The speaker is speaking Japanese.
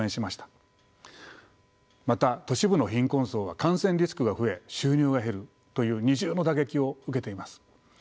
また都市部の貧困層は感染リスクが増え収入が減るという二重の打撃を受けています。